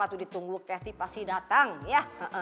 aduh ditunggu keti pasti datang ya